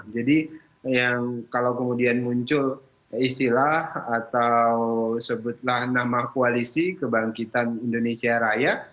jadi kalau kemudian muncul istilah atau sebutlah nama koalisi kebangkitan indonesia raya